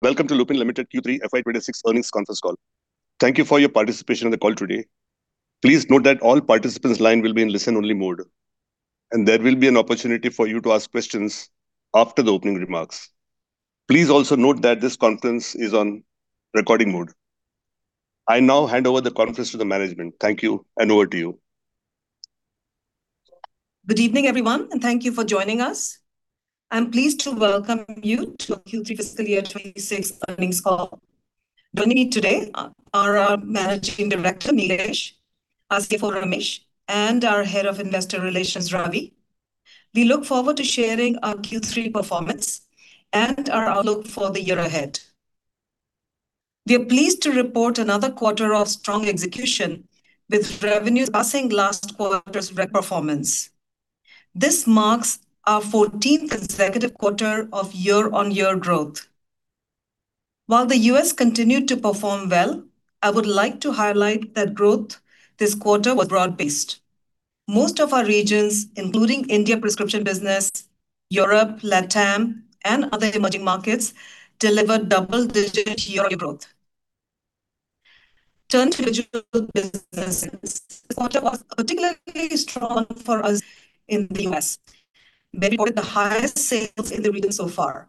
Welcome to Lupin Limited Q3 FY 2026 Earnings Conference Call. Thank you for your participation on the call today. Please note that all participants' line will be in listen-only mode, and there will be an opportunity for you to ask questions after the opening remarks. Please also note that this conference is on recording mode. I now hand over the conference to the management. Thank you, and over to you. Good evening, everyone, and thank you for joining us. I'm pleased to welcome you to our Q3 Fiscal Year 2026 Earnings Call. Joining me today are our Managing Director, Nilesh; our CFO, Ramesh; and our Head of Investor Relations, Ravi. We look forward to sharing our Q3 performance and our outlook for the year ahead. We are pleased to report another quarter of strong execution, with revenue surpassing last quarter's record performance. This marks our 14th consecutive quarter of year-on-year growth. While the U.S. continued to perform well, I would like to highlight that growth this quarter was broad-based. Most of our regions, including India prescription business, Europe, LatAm, and other emerging markets, delivered double-digit year-on-year growth. Turning to individual businesses, this quarter was particularly strong for us in the U.S., where we recorded the highest sales in the region so far.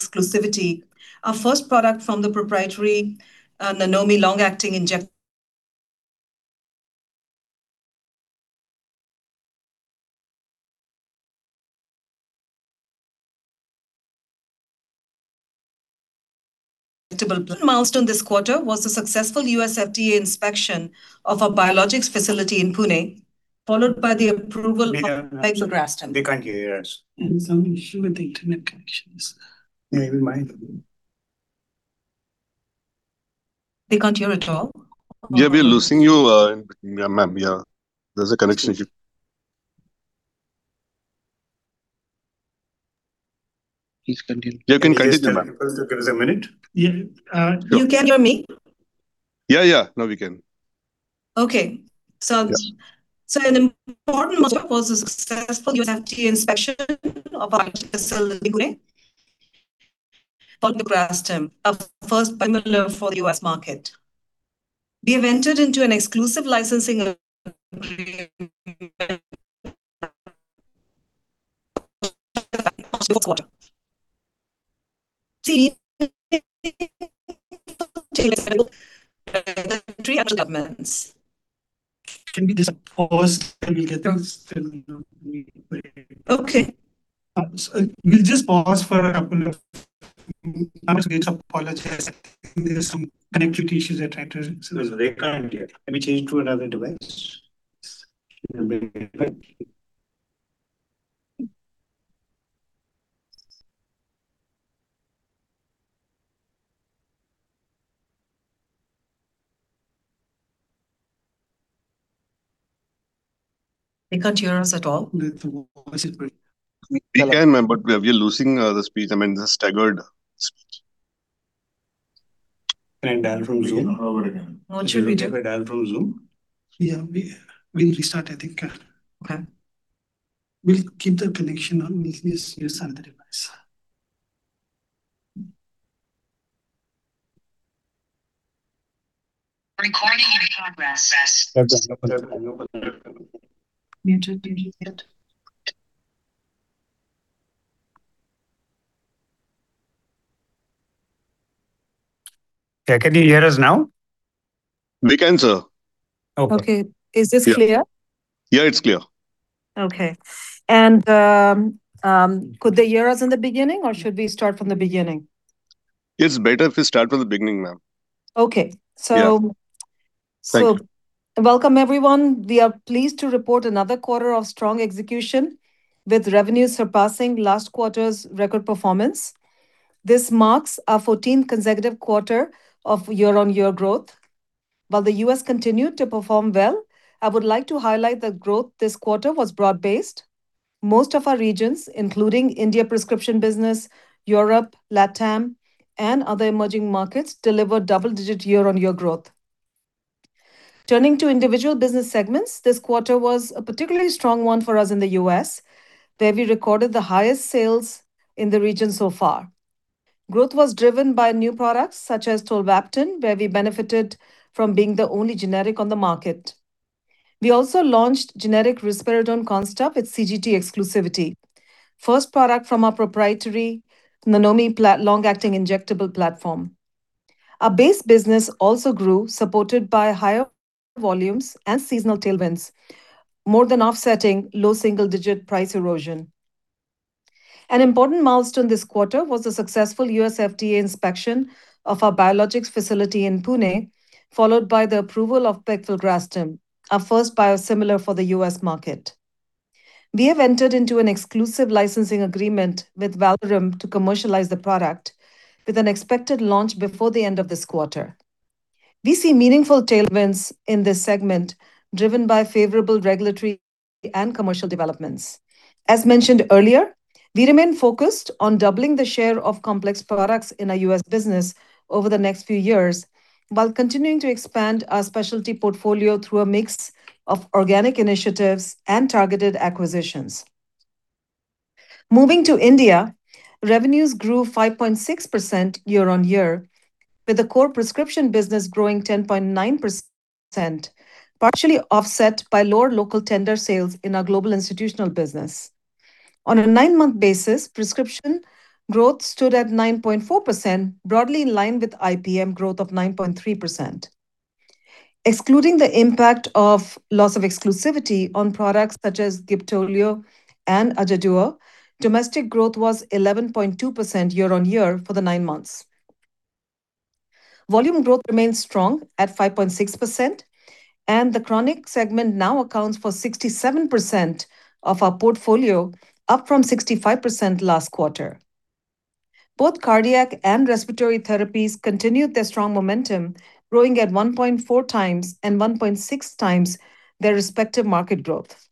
Exclusivity. Our first product from the proprietary Nanomi long-acting injectables milestone this quarter was the successful U.S. FDA inspection of a biologics facility in Pune, followed by the approval of pegfilgrastim. They can't hear us. There's some issue with the Internet connections. Maybe mine. They can't hear at all? Yeah, we're losing you, ma'am. Yeah, there's a connection issue. Please continue. You can continue, ma'am. Give us a minute. Yeah, you can hear me? Yeah, yeah. Now we can. Okay. Yeah. So, an important milestone was the successful U.S. FDA inspection of our facility in Pune, pegfilgrastim, our first biosimilar for the U.S. market. We have entered into an exclusive licensing agreement [inaudible] this quarter. See [inaudible] developments. Can we just pause, and we'll get them settled? Okay. So we'll just pause for a couple of [inaudible] I apologize. There's some connectivity issues I tried to- No, they can't hear. Let me change to another device. They can't hear us at all? We can, ma'am, but we are losing the speech. I mean, just staggered speech. Can I dial from Zoom? What should we do? Dial from Zoom? Yeah, we, we'll restart, I think. Okay. We'll keep the connection on. We'll just use another device. Recording in progress. Muted, muted. Okay, can you hear us now? We can, sir. Okay. Yeah. Is this clear? Yeah, it's clear. Okay. And, could they hear us in the beginning, or should we start from the beginning? It's better if we start from the beginning, ma'am. Okay. Yeah. So- Thank you. Welcome, everyone. We are pleased to report another quarter of strong execution, with revenue surpassing last quarter's record performance. This marks our 14th consecutive quarter of year-over-year growth. While the U.S. continued to perform well, I would like to highlight that growth this quarter was broad-based. Most of our regions, including India prescription business, Europe, LatAm, and other emerging markets, delivered double-digit year-over-year growth. Turning to individual business segments, this quarter was a particularly strong one for us in the U.S., where we recorded the highest sales in the region so far. Growth was driven by new products such as TOLVAPTAN, where we benefited from being the only generic on the market. We also launched generic Risperdal Consta with CGT exclusivity, first product from our proprietary Nanomi platform long-acting injectable platform. Our base business also grew, supported by higher volumes and seasonal tailwinds, more than offsetting low single-digit price erosion. An important milestone this quarter was the successful U.S. FDA inspection of our biologics facility in Pune, followed by the approval of pegfilgrastim, our first biosimilar for the U.S. market. We have entered into an exclusive licensing agreement with Valorum to commercialize the product, with an expected launch before the end of this quarter. We see meaningful tailwinds in this segment, driven by favorable regulatory and commercial developments. As mentioned earlier, we remain focused on doubling the share of complex products in our U.S. business over the next few years, while continuing to expand our specialty portfolio through a mix of organic initiatives and targeted acquisitions. Moving to India, revenues grew 5.6% year-on-year, with the core prescription business growing 10.9%, partially offset by lower local tender sales in our global institutional business. On a nine-month basis, prescription growth stood at 9.4%, broadly in line with IPM growth of 9.3%. Excluding the impact of loss of exclusivity on products such as GIBTULIO and Ajaduo, domestic growth was 11.2% year-on-year for the nine months. Volume growth remains strong at 5.6%, and the Chronic segment now accounts for 67% of our portfolio, up from 65% last quarter. Both cardiac and respiratory therapies continued their strong momentum, growing at 1.4x and 1.6x their respective market growth.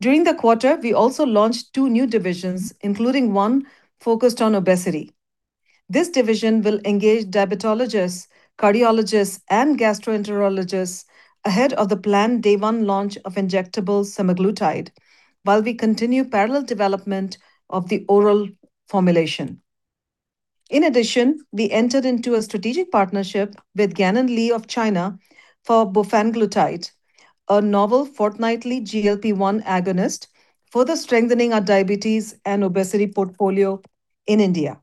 During the quarter, we also launched two new divisions, including one focused on obesity. This division will engage diabetologists, cardiologists, and gastroenterologists ahead of the planned day one launch of injectable semaglutide, while we continue parallel development of the oral formulation. In addition, we entered into a strategic partnership with Gan & Lee of China for Bofanglutide, a novel fortnightly GLP-1 agonist, further strengthening our diabetes and obesity portfolio in India.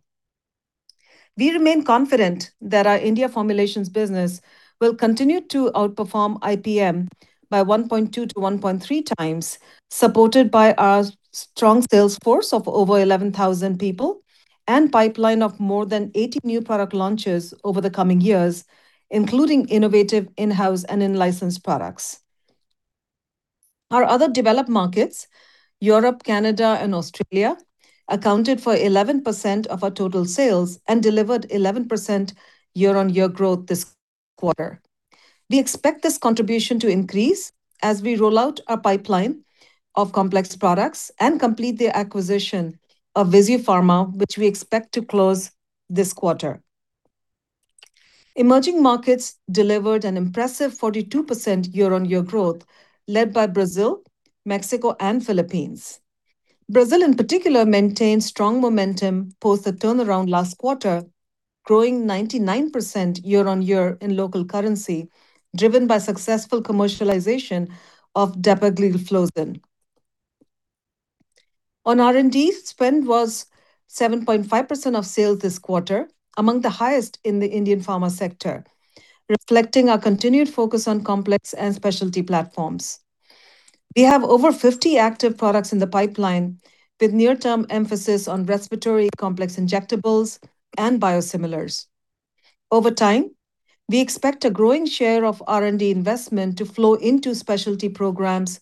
We remain confident that our India Formulations business will continue to outperform IPM by 1.2x-1.3x, supported by our strong sales force of over 11,000 people, and pipeline of more than 80 new product launches over the coming years, including innovative in-house and in-licensed products. Our other developed markets, Europe, Canada, and Australia, accounted for 11% of our total sales and delivered 11% year-on-year growth this quarter. We expect this contribution to increase as we roll out our pipeline of complex products and complete the acquisition of VISUfarma, which we expect to close this quarter. Emerging markets delivered an impressive 42% year-on-year growth, led by Brazil, Mexico, and Philippines. Brazil, in particular, maintained strong momentum post the turnaround last quarter, growing 99% year-on-year in local currency, driven by successful commercialization of Dapagliflozin. On R&D, spend was 7.5% of sales this quarter, among the highest in the Indian pharma sector, reflecting our continued focus on complex and specialty platforms. We have over 50 active products in the pipeline, with near-term emphasis on respiratory, complex injectables, and biosimilars. Over time, we expect a growing share of R&D investment to flow into specialty programs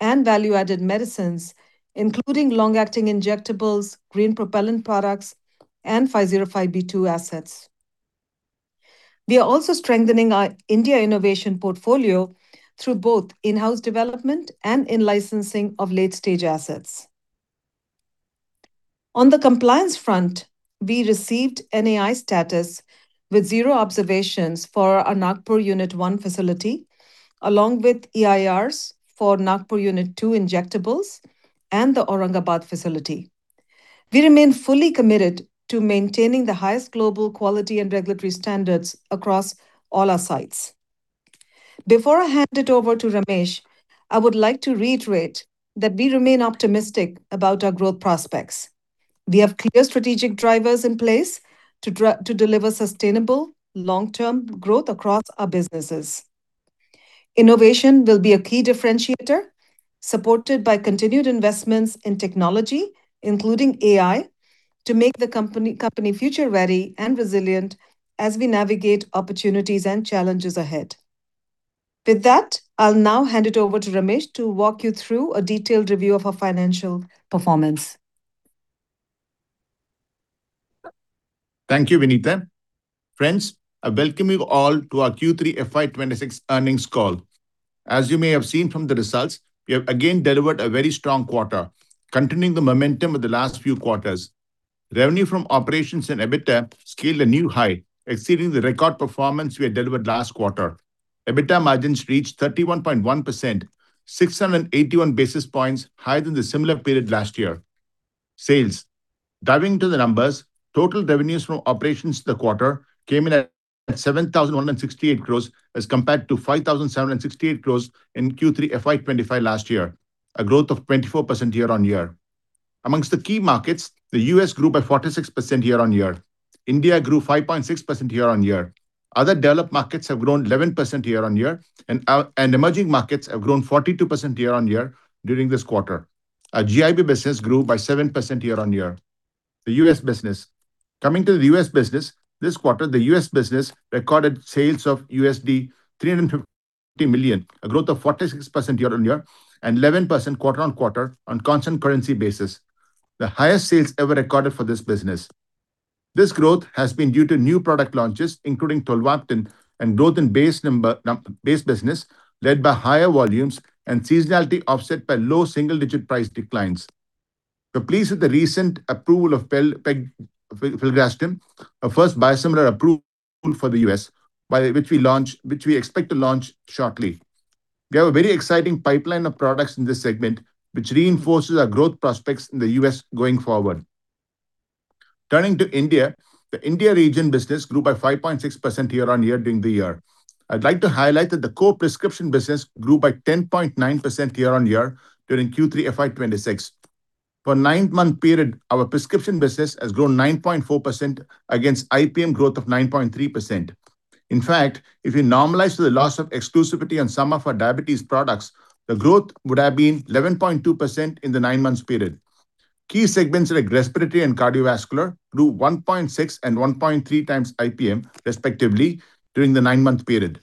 and value-added medicines, including long-acting injectables, green propellant products, and 505(b)(2) assets. We are also strengthening our India innovation portfolio through both in-house development and in-licensing of late-stage assets. On the compliance front, we received NAI status with zero observations for our Nagpur Unit-1 facility, along with EIRs for Nagpur Unit-2 injectables and the Aurangabad facility. We remain fully committed to maintaining the highest global quality and regulatory standards across all our sites. Before I hand it over to Ramesh, I would like to reiterate that we remain optimistic about our growth prospects. We have clear strategic drivers in place to deliver sustainable, long-term growth across our businesses. Innovation will be a key differentiator, supported by continued investments in technology, including AI, to make the company, company future-ready and resilient as we navigate opportunities and challenges ahead. With that, I'll now hand it over to Ramesh to walk you through a detailed review of our financial performance. Thank you, Vinita. Friends, I welcome you all to our Q3 FY 2026 Earnings Call. As you may have seen from the results, we have again delivered a very strong quarter, continuing the momentum of the last few quarters. Revenue from operations and EBITDA scaled a new high, exceeding the record performance we had delivered last quarter. EBITDA margins reached 31.1%, 681 basis points higher than the similar period last year. Sales. Diving into the numbers, total revenues from operations in the quarter came in at 7,168 crores, as compared to 5,768 crores in Q3 FY 2025 last year, a growth of 24% year-on-year. Among the key markets, the U.S. grew by 46% year-on-year. India grew 5.6% year-on-year. Other developed markets have grown 11% year-on-year, and out- and emerging markets have grown 42% year-on-year during this quarter. Our GIB business grew by 7% year-on-year. The U.S. business. Coming to the U.S. business, this quarter, the U.S. business recorded sales of $350 million, a growth of 46% year-on-year, and 11% quarter-on-quarter on constant currency basis, the highest sales ever recorded for this business. This growth has been due to new product launches, including TOLVAPTAN, and growth in base business, led by higher volumes and seasonality offset by low single-digit price declines. We're pleased with the recent approval of pegfilgrastim, our first biosimilar approval for the U.S., which we expect to launch shortly. We have a very exciting pipeline of products in this segment, which reinforces our growth prospects in the U.S. going forward. Turning to India, the India region business grew by 5.6% year-on-year during the year. I'd like to highlight that the core prescription business grew by 10.9% year-on-year during Q3 FY 2026. For nine-month period, our prescription business has grown 9.4% against IPM growth of 9.3%. In fact, if you normalize the loss of exclusivity on some of our diabetes products, the growth would have been 11.2% in the nine-months period. Key segments like respiratory and cardiovascular grew 1.6x and 1.3x times IPM, respectively, during the nine-month period.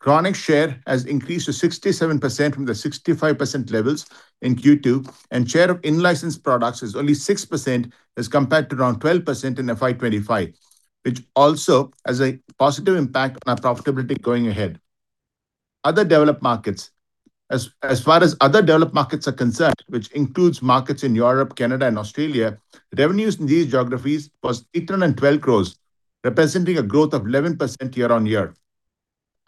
Chronic share has increased to 67% from the 65% levels in Q2, and share of in-licensed products is only 6% as compared to around 12% in FY 2026, which also has a positive impact on our profitability going ahead. Other developed markets. As far as other developed markets are concerned, which includes markets in Europe, Canada, and Australia, revenues in these geographies was 812 crore, representing a growth of 11% year-on-year.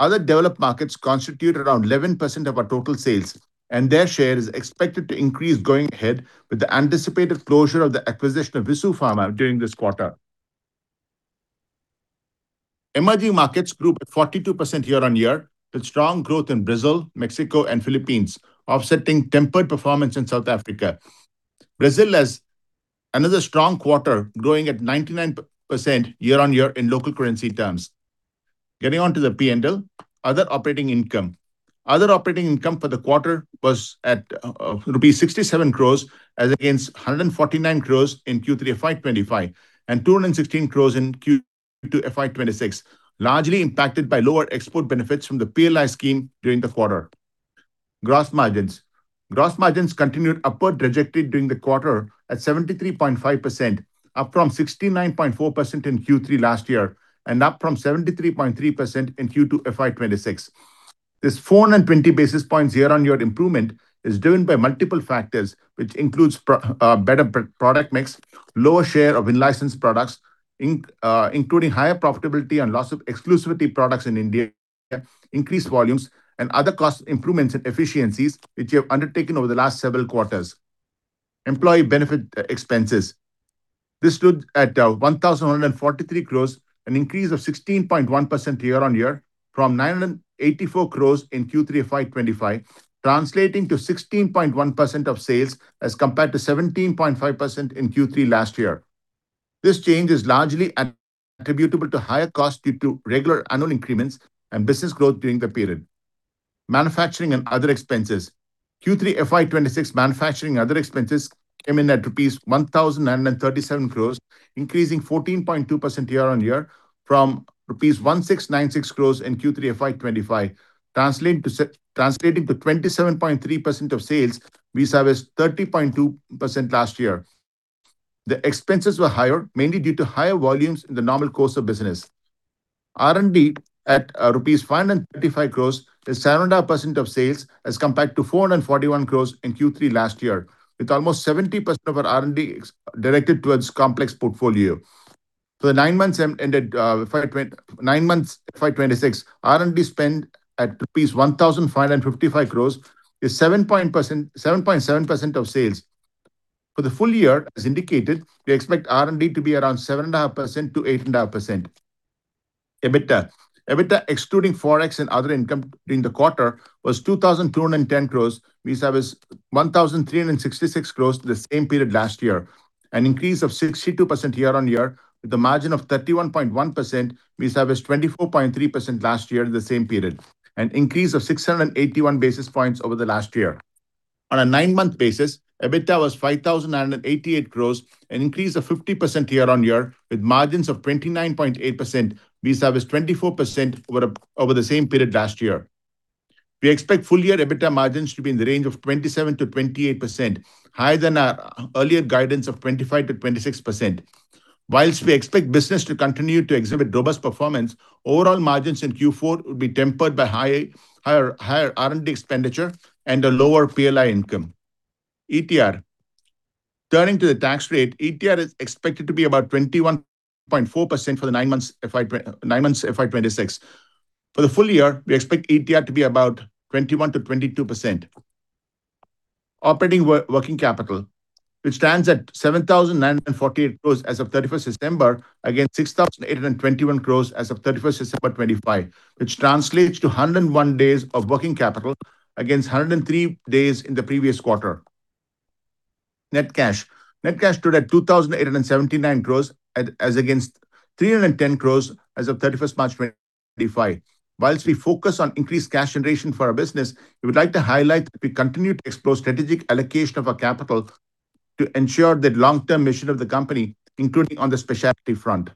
Other developed markets constitute around 11% of our total sales, and their share is expected to increase going ahead with the anticipated closure of the acquisition of VISUfarma during this quarter. Emerging markets grew by 42% year-on-year, with strong growth in Brazil, Mexico and Philippines, offsetting tempered performance in South Africa. Brazil has another strong quarter, growing at 99% year-on-year in local currency terms. Getting on to the P&L, other operating income. Other operating income for the quarter was at rupees 67 crore, as against 149 crore in Q3 FY 2025, and 216 crore in Q2 FY 2026, largely impacted by lower export benefits from the PLI scheme during the quarter. Gross margins. Gross margins continued upward trajectory during the quarter at 73.5%, up from 69.4% in Q3 last year, and up from 73.3% in Q2 FY 2026. This 420 basis points year-on-year improvement is driven by multiple factors, which includes better product mix, lower share of in-licensed products, including higher profitability and loss of exclusivity products in India, increased volumes, and other cost improvements and efficiencies, which we have undertaken over the last several quarters. Employee benefit expenses. This stood at 1,143 crore, an increase of 16.1% year-on-year, from 984 crore in Q3 FY 2025, translating to 16.1% of sales, as compared to 17.5% in Q3 last year. This change is largely attributed to higher cost due to regular annual increments and business growth during the period. Manufacturing and other expenses. Q3 FY 2026 manufacturing other expenses came in at rupees 1,137 crore, increasing 14.2% year-on-year from rupees 1,696 crore in Q3 FY 2025. Translating to 27.3% of sales, versus 30.2% last year. The expenses were higher, mainly due to higher volumes in the normal course of business. R&D at rupees 535 crore is 7.5% of sales, as compared to 441 crore in Q3 last year, with almost 70% of our R&D spend directed towards complex portfolio. For the nine months ended FY 2026, R&D spend at rupees 1,555 crore is 7.7% of sales. For the full year, as indicated, we expect R&D to be around 7.5%-8.5%. EBITDA. EBITDA, excluding Forex and other income during the quarter, was 2,210 crore, vis-à-vis 1,366 crore the same period last year. An increase of 62% year-on-year, with a margin of 31.1%, vis-à-vis 24.3% last year the same period. An increase of 681 basis points over the last year. On a nine-month basis, EBITDA was 5,188 crore, an increase of 50% year-on-year, with margins of 29.8%, vis-à-vis 24% over the same period last year. We expect full year EBITDA margins to be in the range of 27%-28%, higher than our earlier guidance of 25%-26%. While we expect business to continue to exhibit robust performance, overall margins in Q4 will be tempered by higher R&D expenditure and a lower PLI income. ETR. Turning to the tax rate, ETR is expected to be about 21.4% for the nine months FY 2026. For the full year, we expect ETR to be about 21%-22%. Operating working capital, which stands at 7,948 crore as of 31st December, against 6,821 crore as of 31st December 2025, which translates to 101 days of working capital, against 103 days in the previous quarter. Net cash. Net cash stood at 2,879 crore as against 310 crore as of 31st March 2025. While we focus on increased cash generation for our business, we would like to highlight that we continue to explore strategic allocation of our capital to ensure the long-term mission of the company, including on the specialty front.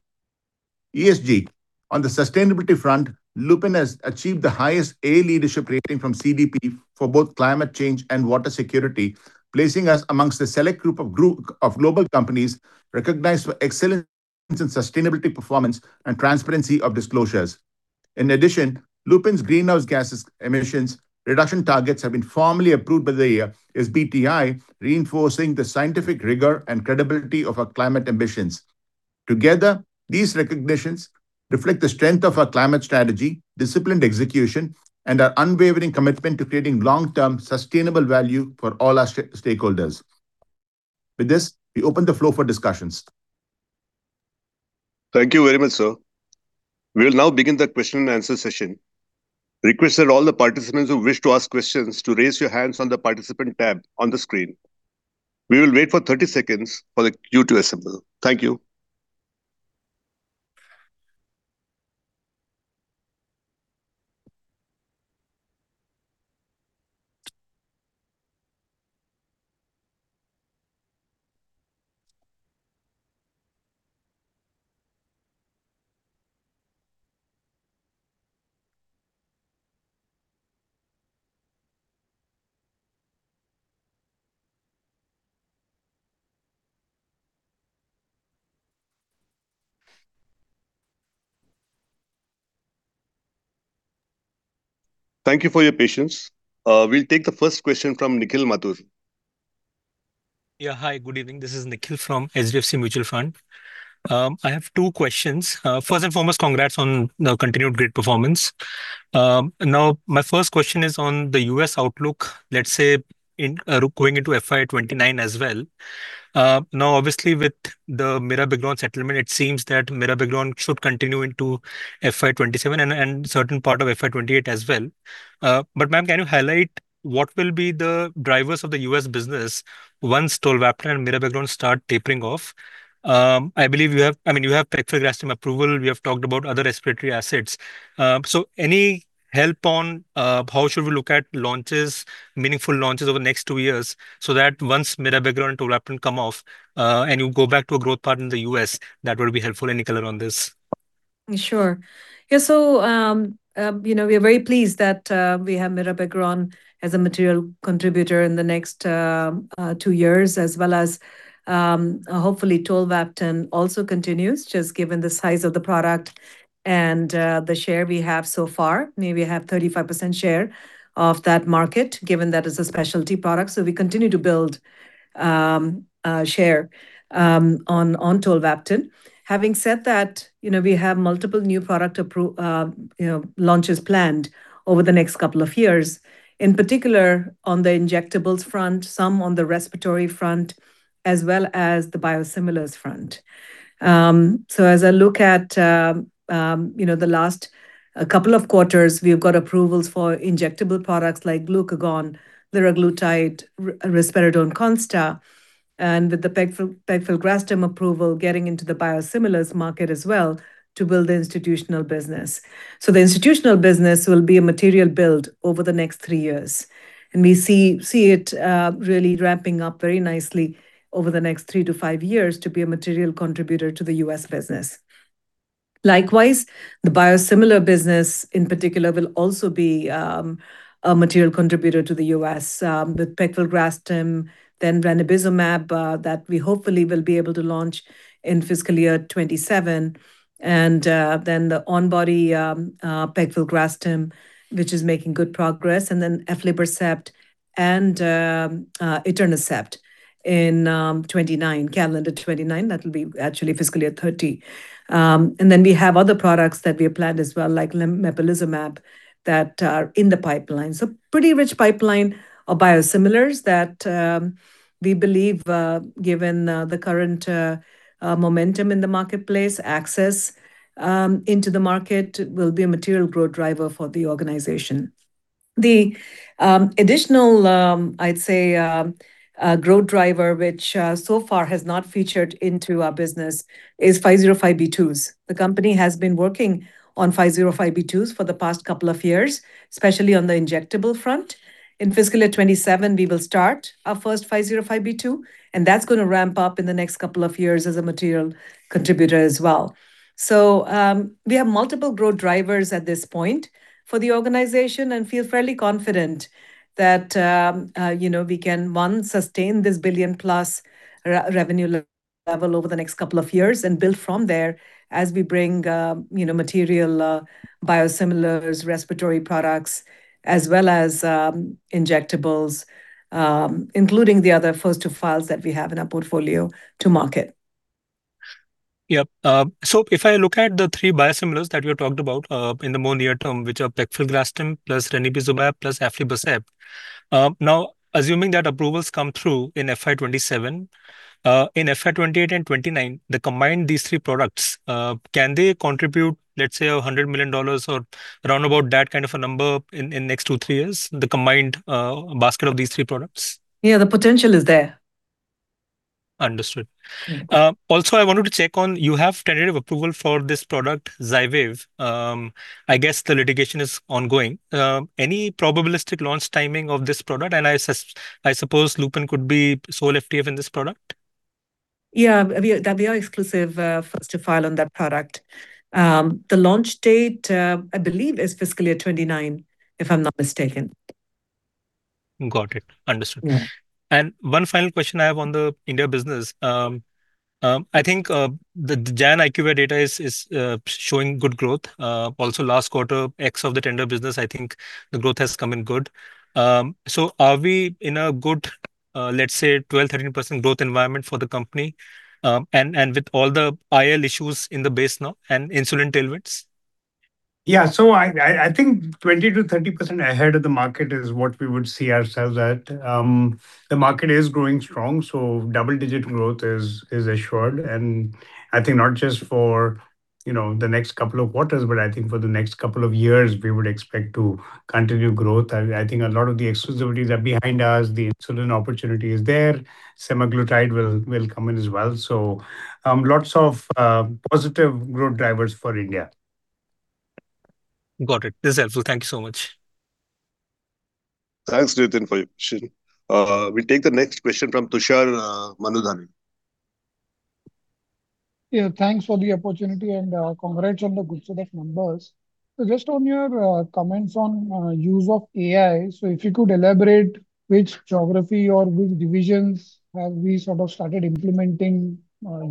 ESG. On the sustainability front, Lupin has achieved the highest A leadership rating from CDP for both climate change and water security, placing us amongst a select group of global companies recognized for excellence in sustainability, performance, and transparency of disclosures. In addition, Lupin's greenhouse gases emissions reduction targets have been formally approved by the SBTi, reinforcing the scientific rigor and credibility of our climate ambitions. Together, these recognitions reflect the strength of our climate strategy, disciplined execution, and our unwavering commitment to creating long-term sustainable value for all our stakeholders. With this, we open the floor for discussions. Thank you very much, sir. We'll now begin the question and answer session. Request that all the participants who wish to ask questions to raise your hands on the participant tab on the screen. We will wait for 30 seconds for the queue to assemble. Thank you. Thank you for your patience. We'll take the first question from Nikhil Mathur. Yeah. Hi, good evening. This is Nikhil from HDFC Mutual Fund. I have two questions. First and foremost, congrats on the continued great performance. Now, my first question is on the U.S. outlook, let's say, in, going into FY 2029 as well. Now, obviously, with the Mirabegron settlement, it seems that Mirabegron should continue into FY 2027 and certain part of FY 2028 as well. But, ma'am, can you highlight what will be the drivers of the U.S. business once TOLVAPTAN and Mirabegron start tapering off? I believe you have. I mean, you have pegfilgrastim approval, we have talked about other respiratory assets. So any help on, how should we look at launches, meaningful launches over the next two years, so that once Mirabegron and TOLVAPTAN come off, and you go back to a growth partner in the U.S., that would be helpful, any color on this? Sure. Yeah, so, you know, we are very pleased that we have Mirabegron as a material contributor in the next two years, as well as, hopefully TOLVAPTAN also continues, just given the size of the product and the share we have so far. Maybe we have 35% share of that market, given that it's a specialty product. So we continue to build share on TOLVAPTAN. Having said that, you know, we have multiple new product launches planned over the next couple of years, in particular, on the injectables front, some on the respiratory front, as well as the biosimilars front. So as I look at, you know, the last couple of quarters, we've got approvals for injectable products like Glucagon, Liraglutide, Risperdal Consta, and with the pegfilgrastim approval getting into the biosimilars market as well to build the institutional business. So the institutional business will be a material build over the next three years, and we see it really ramping up very nicely over the next three to five years to be a material contributor to the U.S. business. Likewise, the biosimilar business, in particular, will also be a material contributor to the U.S. with pegfilgrastim, then ranibizumab that we hopefully will be able to launch in fiscal year 2027. And then the onbody pegfilgrastim, which is making good progress, and then aflibercept and etanercept in 2029, calendar 2029. That will be actually fiscal year 2030. And then we have other products that we have planned as well, like mepolizumab, that are in the pipeline. So pretty rich pipeline of biosimilars that, we believe, given, the current, momentum in the marketplace, access, into the market will be a material growth driver for the organization. The, additional, I'd say, growth driver, which, so far has not featured into our business, is 505(b)(2)s. The company has been working on 505(b)(2)s for the past couple of years, especially on the injectable front. In fiscal year 2027, we will start our first 505(b)(2), and that's gonna ramp up in the next couple of years as a material contributor as well. So, we have multiple growth drivers at this point for the organization, and feel fairly confident that, you know, we can, one, sustain this $1 billion+ revenue level over the next couple of years and build from there as we bring, you know, material, biosimilars, respiratory products, as well as, injectables, including the other first-to-file that we have in our portfolio to market. Yep, so if I look at the three biosimilars that you talked about, in the more near term, which are pegfilgrastim, plus ranibizumab, plus aflibercept. Now, assuming that approvals come through in FY 2027, in FY 2028 and 2029, the combined these three products, can they contribute, let's say, $100 million or round about that kind of a number in next two, three years, the combined, basket of these three products? Yeah, the potential is there. Understood. Also, I wanted to check on, you have tentative approval for this product, Xyrem. I guess the litigation is ongoing. Any probabilistic launch timing of this product? And I suppose Lupin could be sole FTF in this product? Yeah, we are, we are exclusive first to file on that product. The launch date, I believe is fiscal year 2029, if I'm not mistaken. Got it. Understood. Yeah. One final question I have on the India business. I think the January IQVIA data is showing good growth. Also last quarter, ex of the tender business, I think the growth has come in good. So are we in a good, let's say, 12%-13% growth environment for the company? And with all the vial issues in the base now and insulin tailwinds. Yeah. So I think 20%-30% ahead of the market is what we would see ourselves at. The market is growing strong, so double-digit growth is assured, and I think not just for, you know, the next couple of quarters, but I think for the next couple of years, we would expect to continue growth. I think a lot of the exclusivities are behind us. The insulin opportunity is there. Semaglutide will come in as well. So, lots of positive growth drivers for India. Got it. This is helpful. Thank you so much. Thanks, Nithin, for your question. We take the next question from Tushar Manudhane. Yeah, thanks for the opportunity, and, congrats on the good set of numbers. So just on your comments on use of AI, so if you could elaborate which geography or which divisions have we sort of started implementing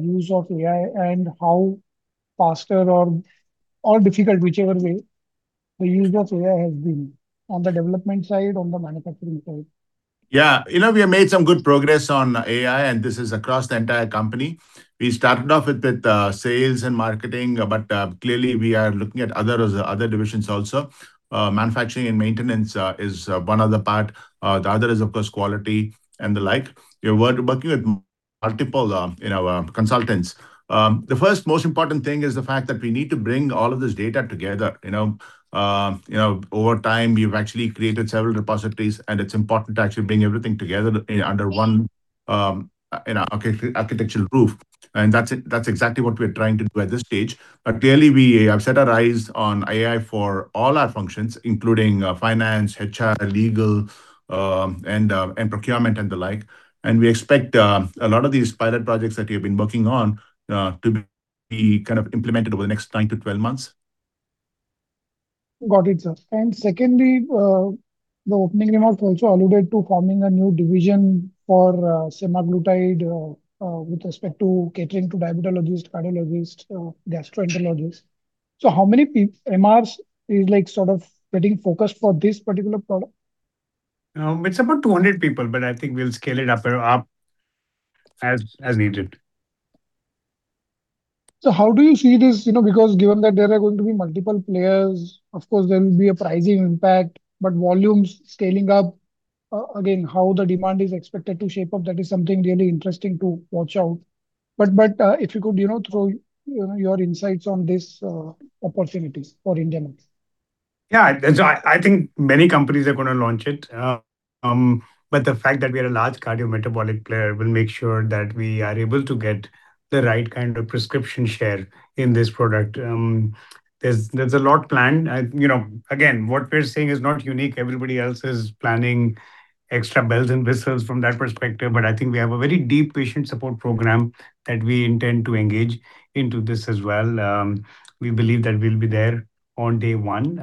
use of AI? And how faster or, or difficult, whichever way, the use of AI has been on the development side, on the manufacturing side? Yeah. You know, we have made some good progress on AI, and this is across the entire company. We started off with the sales and marketing, but clearly we are looking at other divisions also. Manufacturing and maintenance is one other part. The other is, of course, quality and the like. We're working with multiple consultants. The first most important thing is the fact that we need to bring all of this data together, you know. You know, over time, we've actually created several repositories, and it's important to actually bring everything together under one architectural roof, and that's it. That's exactly what we're trying to do at this stage. But clearly, we have set our eyes on AI for all our functions, including finance, HR, legal, and procurement, and the like. And we expect a lot of these pilot projects that we've been working on to be kind of implemented over the next nine to 12 months. Got it, sir. And secondly, the opening remarks also alluded to forming a new division for semaglutide with respect to catering to diabetologist, cardiologist, gastroenterologist. So how many MRs is like sort of getting focused for this particular product? It's about 200 people, but I think we'll scale it up as needed. So how do you see this? You know, because given that there are going to be multiple players, of course, there will be a pricing impact, but volumes scaling up, again, how the demand is expected to shape up, that is something really interesting to watch out. But, if you could, you know, throw, you know, your insights on this opportunities for India markets. Yeah, and so I, I think many companies are gonna launch it. But the fact that we are a large cardiometabolic player will make sure that we are able to get the right kind of prescription share in this product. There's a lot planned. You know, again, what we're saying is not unique. Everybody else is planning extra bells and whistles from that perspective, but I think we have a very deep patient support program that we intend to engage into this as well. We believe that we'll be there on day one.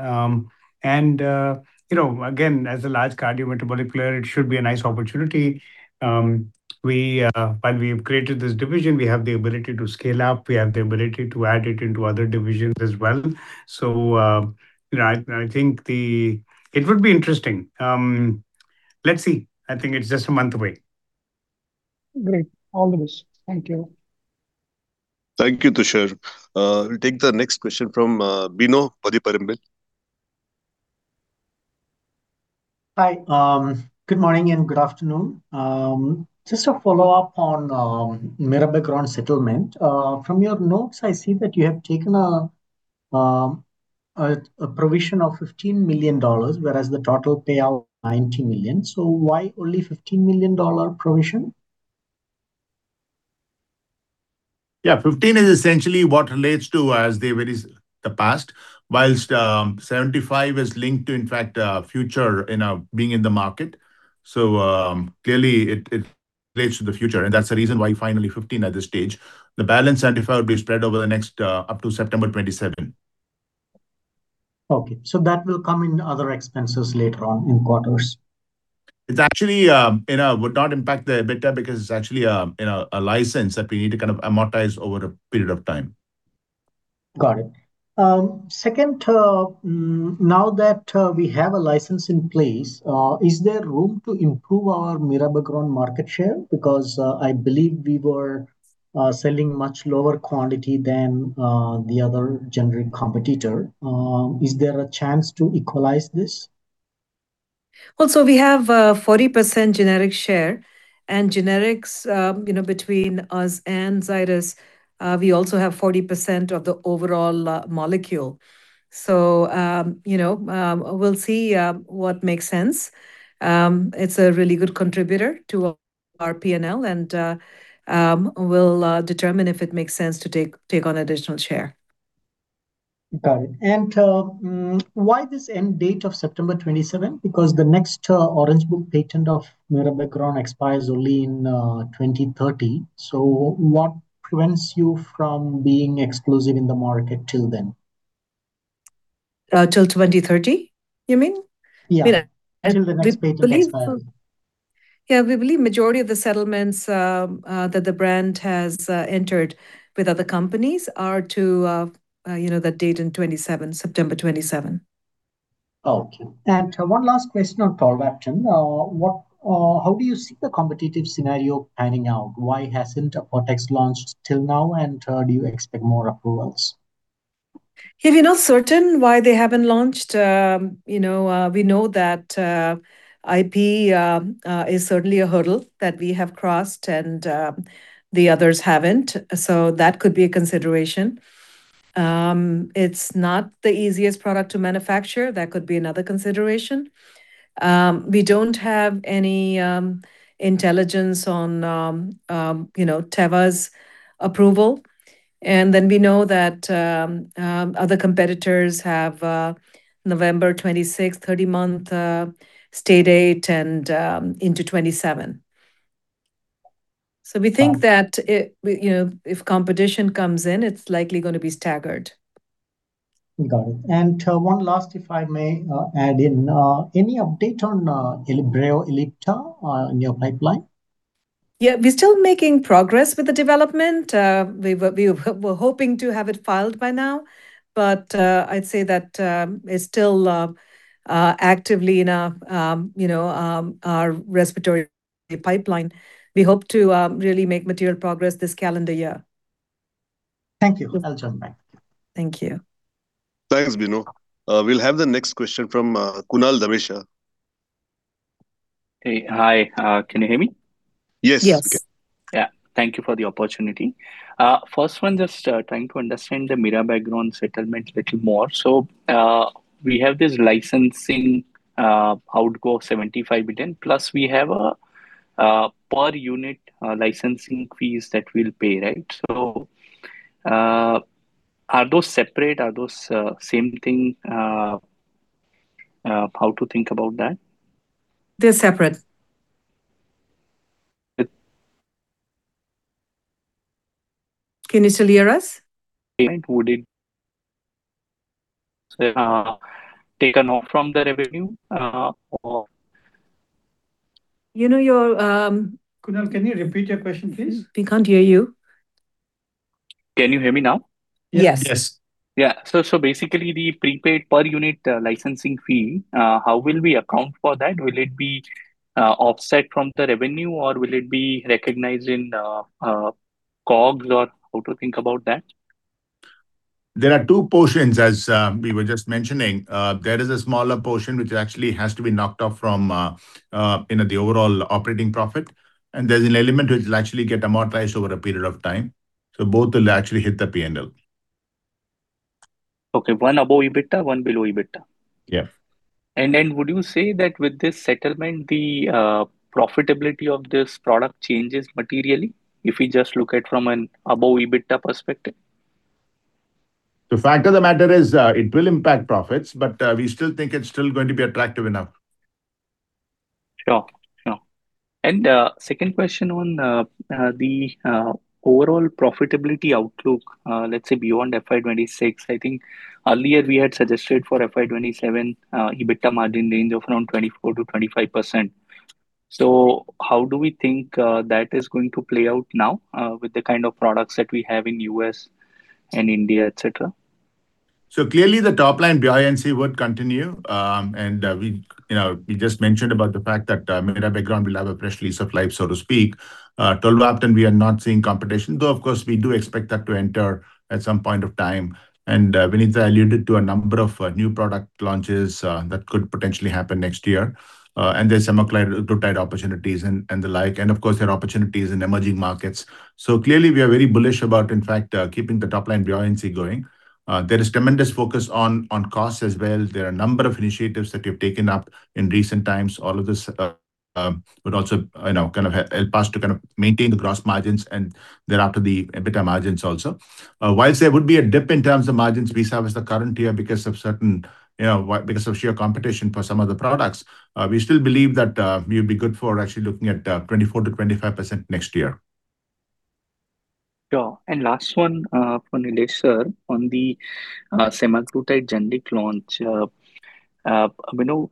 And, you know, again, as a large cardiometabolic player, it should be a nice opportunity. While we have created this division, we have the ability to scale up, we have the ability to add it into other divisions as well. So, you know, I think it would be interesting. Let's see. I think it's just a month away. Great. All the best. Thank you. Thank you, Tushar. We'll take the next question from Bino Pathiparampil. Hi. Good morning and good afternoon. Just a follow-up on Mirabegron settlement. From your notes, I see that you have taken a provision of $15 million, whereas the total payout, $90 million. So why only $15 million provision? Yeah, $15 million is essentially what relates to as the release, the past, while $75 million is linked to, in fact, future, you know, being in the market. So, clearly it relates to the future, and that's the reason why finally $15 million at this stage. The balance $35 million will be spread over the next, up to September 2027. Okay. So that will come in other expenses later on in quarters? It actually, you know, would not impact the EBITDA, because it's actually, you know, a license that we need to kind of amortize over a period of time. Got it. Second, now that we have a license in place, is there room to improve our Mirabegron market share? Because, I believe we were selling much lower quantity than the other generic competitor. Is there a chance to equalize this? Well, so we have 40% generic share, and generics, you know, between us and Zydus, we also have 40% of the overall molecule. So, you know, we'll see what makes sense. It's a really good contributor to our P&L, and we'll determine if it makes sense to take on additional share. Got it. And why this end date of September 2027? Because the next Orange Book patent of Mirabegron expires only in 2030. So what prevents you from being exclusive in the market till then? Till 2030, you mean? Yeah. Yeah, I believe. Till the next patent expires. Yeah, we believe majority of the settlements that the brand has, you know, that date in 2027, September 2027. Oh, okay. One last question on TOLVAPTAN. How do you see the competitive scenario panning out? Why hasn't Apotex launched till now, and do you expect more approvals? We're not certain why they haven't launched. You know, we know that IP is certainly a hurdle that we have crossed and the others haven't, so that could be a consideration. It's not the easiest product to manufacture, that could be another consideration. We don't have any intelligence on, you know, Teva's approval. And then we know that other competitors have November 2026, 30-month stay date and into 2027. Wow. So we think that we, you know, if competition comes in, it's likely gonna be staggered. Got it. One last, if I may, add in. Any update on Breo Ellipta in your pipeline? Yeah, we're still making progress with the development. We were hoping to have it filed by now, but I'd say that it's still actively in, you know, our respiratory pipeline. We hope to really make material progress this calendar year. Thank you. I'll jump back. Thank you. Thanks, Bino. We'll have the next question from Kunal Dhamesha. Hey. Hi, can you hear me? Yes. Yes. Yeah. Thank you for the opportunity. First one, just trying to understand the Mirabegron settlement a little more. So, we have this licensing outgo of $75 million, plus we have a per unit licensing fees that we'll pay, right? So, are those separate? Are those same thing? How to think about that? They're separate. It- Can you still hear us? Right, would it take a knock from the revenue, or? You know, your Kunal, can you repeat your question, please? We can't hear you. Can you hear me now? Yes. Yes. Yeah. So, so basically, the prepaid per unit licensing fee, how will we account for that? Will it be offset from the revenue, or will it be recognized in COGS, or how to think about that? There are two portions, as we were just mentioning. There is a smaller portion which actually has to be knocked off from, you know, the overall operating profit, and there's an element which will actually get amortized over a period of time. So both will actually hit the P&L. Okay. One above EBITDA, one below EBITDA? Yeah. Then, would you say that with this settlement, the profitability of this product changes materially, if we just look at from an above EBITDA perspective? The fact of the matter is, it will impact profits, but, we still think it's still going to be attractive enough. Sure. Sure. And, second question on the overall profitability outlook, let's say beyond FY 2026. I think earlier we had suggested for FY 2027, EBITDA margin range of around 24%-25%. So how do we think that is going to play out now, with the kind of products that we have in U.Sl and India, et cetera? So clearly, the top line buoyancy would continue. And, we, you know, we just mentioned about the fact that, Mirabegron will have a fresh lease of life, so to speak. TOLVAPTAN, we are not seeing competition, though, of course, we do expect that to enter at some point of time. And, Vinita alluded to a number of, new product launches, that could potentially happen next year. And there's semaglutide opportunities and, and the like, and of course, there are opportunities in emerging markets. So clearly we are very bullish about, in fact, keeping the top line buoyancy going. There is tremendous focus on costs as well. There are a number of initiatives that we've taken up in recent times, all of this would also, you know, kind of help us to kind of maintain the gross margins and thereafter the EBITDA margins also. Whilst there would be a dip in terms of margins we have as the current year because of sheer competition for some of the products, we still believe that, we'll be good for actually looking at 24%-25% next year. Sure. And last one for Nilesh, sir, on the semaglutide generic launch. Bino,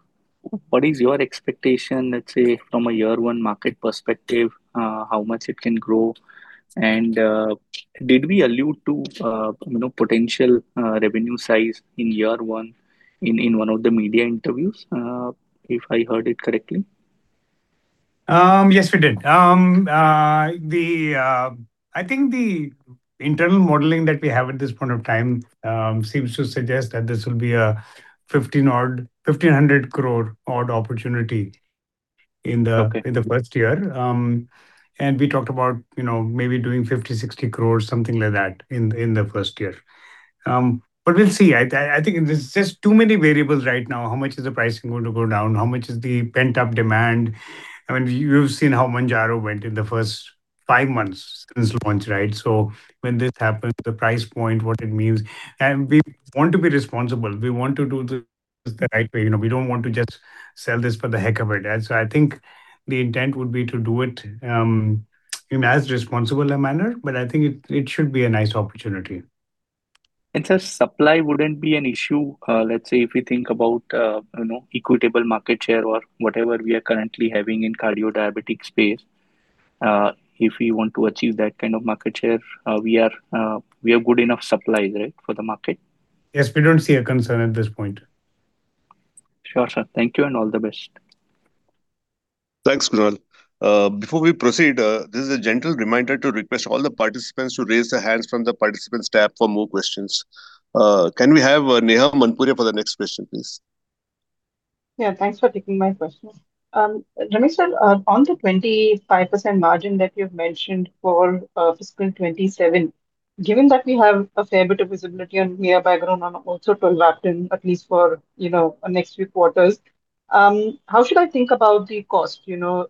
what is your expectation, let's say, from a year-one market perspective, how much it can grow? And did we allude to, you know, potential revenue size in year one in one of the media interviews, if I heard it correctly? Yes, we did. I think the internal modeling that we have at this point of time seems to suggest that this will be a 15-odd, 1,500 crore-odd opportunity in the first year. Okay And we talked about, you know, maybe doing 50 crore-60 crore, something like that, in the first year. But we'll see. I think there's just too many variables right now. How much is the pricing going to go down? How much is the pent-up demand? I mean, we've seen how Mounjaro went in the first five months since launch, right? So when this happens, the price point, what it means. And we want to be responsible, we want to do this the right way, you know, we don't want to just sell this for the heck of it. And so I think the intent would be to do it in as responsible a manner, but I think it, it should be a nice opportunity. So supply wouldn't be an issue, let's say if we think about, you know, equitable market share or whatever we are currently having in cardio diabetic space. If we want to achieve that kind of market share, we are, we are good enough supplies, right, for the market? Yes, we don't see a concern at this point. Sure, sir. Thank you, and all the best. Thanks, Kunal. Before we proceed, this is a gentle reminder to request all the participants to raise their hands from the Participants tab for more questions. Can we have Neha Manpuria for the next question, please? Yeah, thanks for taking my question. Ramesh, on the 25% margin that you've mentioned for fiscal 2027, given that we have a fair bit of visibility on Mirabegron and also TOLVAPTAN, at least for, you know, next few quarters, how should I think about the cost, you know,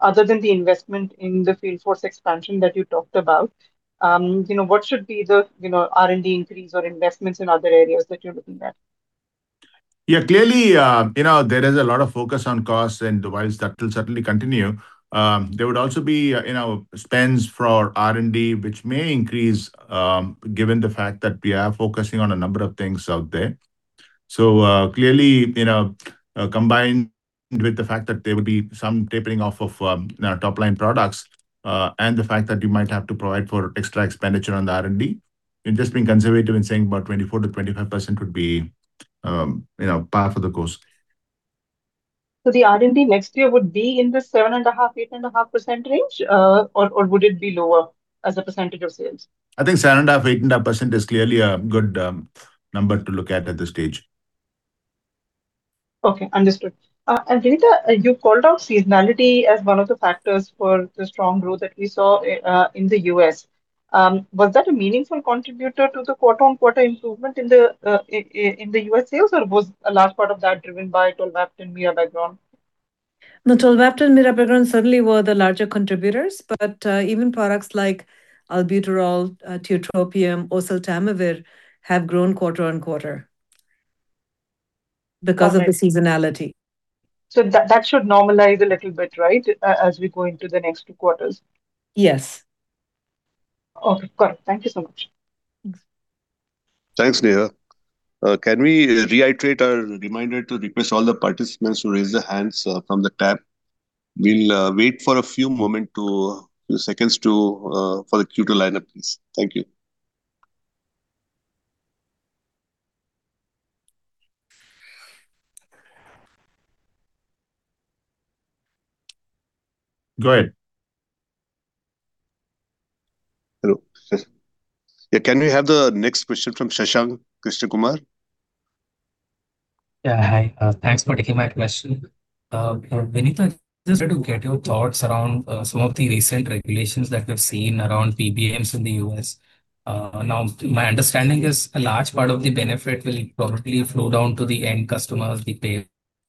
other than the investment in the field force expansion that you talked about? You know, what should be the, you know, R&D increase or investments in other areas that you're looking at? Yeah, clearly, you know, there is a lot of focus on costs, and whilst that will certainly continue, there would also be, you know, spends for R&D, which may increase, given the fact that we are focusing on a number of things out there. So, clearly, you know, combined with the fact that there will be some tapering off of, you know, top-line products, and the fact that you might have to provide for extra expenditure on the R&D, I'm just being conservative in saying about 24%-25% would be, you know, par for the course. The R&D next year would be in the 7.5%-8.5% range or would it be lower as a percentage of sales? I think 7.5%-8.5% is clearly a good number to look at at this stage. Okay, understood. And, Vinita, you called out seasonality as one of the factors for the strong growth that we saw in the U.S. Was that a meaningful contributor to the quarter-on-quarter improvement in the U.S. sales, or was a large part of that driven by TOLVAPTAN and Mirabegron? No, TOLVAPTAN and Mirabegron certainly were the larger contributors, but even products like Albuterol, Tiotropium, oseltamivir have grown quarter-on-quarter. Got it. Because of the seasonality. So that, that should normalize a little bit, right, as we go into the next two quarters? Yes. Okay, got it. Thank you so much. Thanks. Thanks, Neha. Can we reiterate our reminder to request all the participants to raise their hands from the tab? We'll wait for a few seconds for the queue to line up, please. Thank you. Go ahead. Hello. Yeah, can we have the next question from Shashank Krishnakumar? Yeah, hi. Thanks for taking my question. Vinita, just want to get your thoughts around some of the recent regulations that we've seen around PBMs in the U.S. Now, my understanding is a large part of the benefit will probably flow down to the end customers, the payer,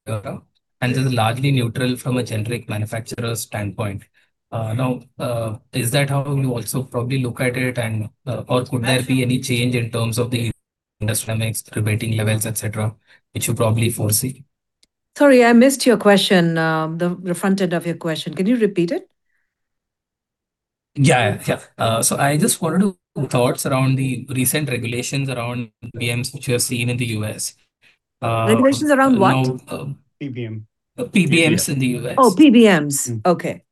and this is largely neutral from a generic manufacturer's standpoint. Now, is that how you also probably look at it, and or could there be any change in terms of the industry mix, rebating levels, et cetera, which you probably foresee? Sorry, I missed your question, the front end of your question. Can you repeat it? Yeah. Yeah. So I just wanted your thoughts around the recent regulations around PBMs, which you have seen in the U.S. Regulations around what? PBM. PBMs in the U.S. Oh, PBMs. Mm-hmm. Okay.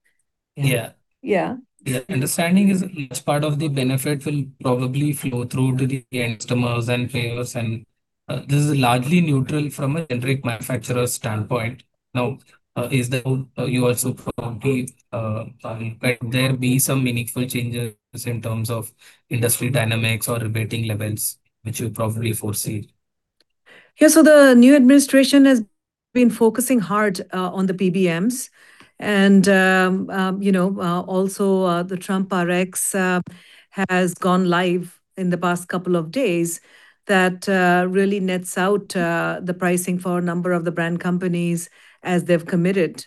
Yeah. Yeah. Yeah, understanding is large part of the benefit will probably flow through to the end customers and payers, and, this is largely neutral from a generic manufacturer's standpoint. Now, is that how you also probably, might there be some meaningful changes in terms of industry dynamics or rebating levels, which you probably foresee? Yeah, so the new administration has been focusing hard on the PBMs. And you know also the Trump Rx has gone live in the past couple of days, that really nets out the pricing for a number of the brand companies as they've committed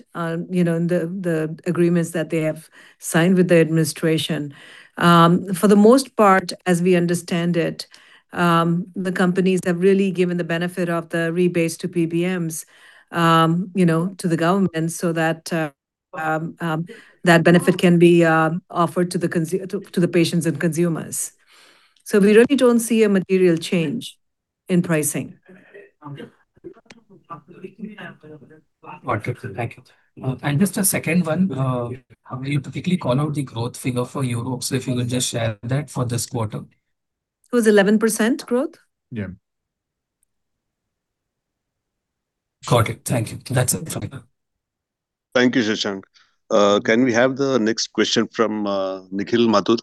you know in the agreements that they have signed with the administration. For the most part, as we understand it, the companies have really given the benefit of the rebates to PBMs you know to the government, so that that benefit can be offered to the patients and consumers. So we really don't see a material change in pricing. Got it. Thank you. And just a second one: How will you typically call out the growth figure for Europe? So if you would just share that for this quarter. It was 11% growth. Yeah. Got it. Thank you. That's it. Thank you. Thank you, Shashank. Can we have the next question from Nikhil Mathur?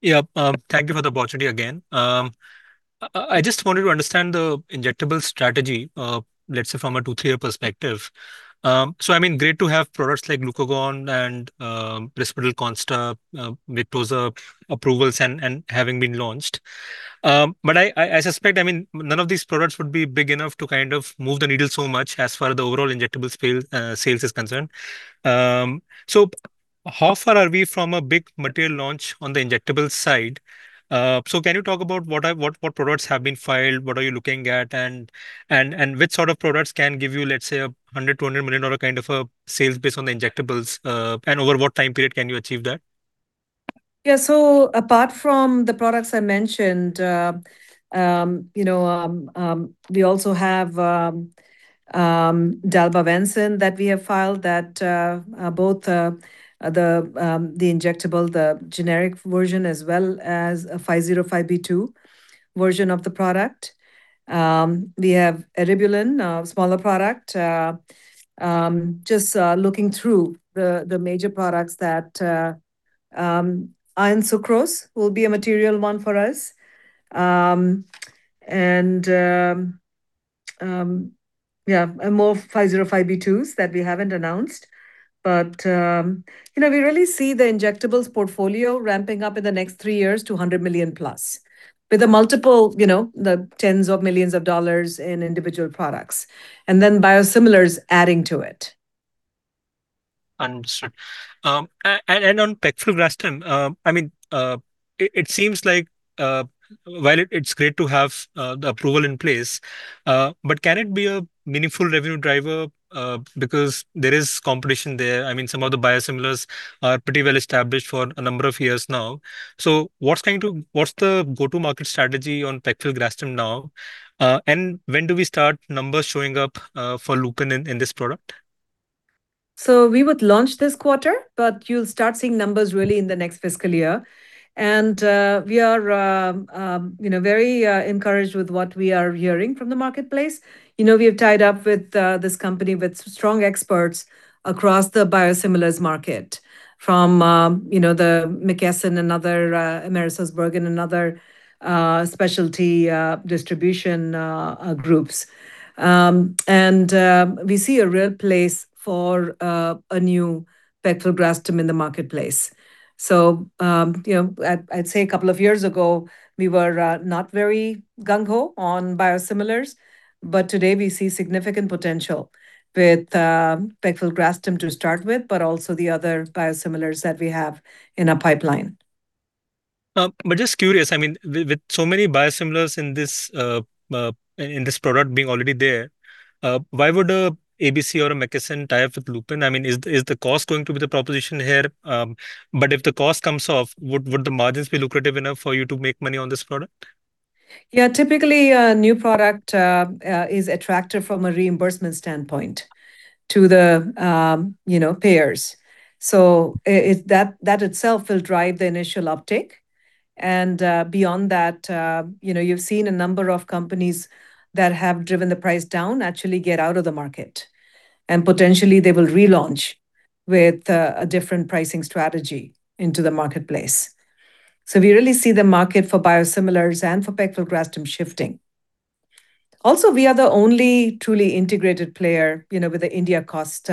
Yeah, thank you for the opportunity again. I just wanted to understand the injectable strategy, let's say from a two-year perspective. So I mean, great to have products like Glucagon and Risperdal Consta with those approvals and having been launched. But I suspect, I mean, none of these products would be big enough to kind of move the needle so much as far as the overall injectable sales is concerned. So how far are we from a big material launch on the injectable side? So can you talk about what products have been filed, what are you looking at, and which sort of products can give you, let's say, a $100 million-$200 million kind of a sales base on the injectables? Over what time period can you achieve that? Yeah. So apart from the products I mentioned, you know, we also have dalbavancin that we have filed that both the injectable, the generic version, as well as a 505(b)(2) version of the product. We have eribulin, a smaller product. Just looking through the major products that Iron Sucrose will be a material one for us. And yeah, and more 505(b)(2)s that we haven't announced. But you know, we really see the injectables portfolio ramping up in the next three years to $100 million+. With a multiple, you know, the tens of millions of dollars in individual products, and then biosimilars adding to it. Understood. And on pegfilgrastim, I mean, it seems like while it's great to have the approval in place, but can it be a meaningful revenue driver because there is competition there? I mean, some of the biosimilars are pretty well established for a number of years now. So what's the go-to-market strategy on pegfilgrastim now? And when do we start numbers showing up for Lupin in this product? So we would launch this quarter, but you'll start seeing numbers really in the next fiscal year. And, we are, you know, very, encouraged with what we are hearing from the marketplace. You know, we have tied up with, this company with strong experts across the biosimilars market, from, you know, the McKesson and other, AmerisourceBergen and other, specialty, distribution, groups. And, we see a real place for, a new pegfilgrastim in the marketplace. So, you know, I'd, I'd say a couple of years ago, we were, not very gung ho on biosimilars, but today we see significant potential with, pegfilgrastim to start with, but also the other biosimilars that we have in our pipeline. But just curious, I mean, with so many biosimilars in this product being already there, why would a ABC or a McKesson tie up with Lupin? I mean, is the cost going to be the proposition here? But if the cost comes off, would the margins be lucrative enough for you to make money on this product? Yeah, typically, a new product is attractive from a reimbursement standpoint to the, you know, payers. So that itself will drive the initial uptick. And, beyond that, you know, you've seen a number of companies that have driven the price down actually get out of the market, and potentially they will relaunch with a different pricing strategy into the marketplace. So we really see the market for biosimilars and for pegfilgrastim shifting. Also, we are the only truly integrated player, you know, with the India cost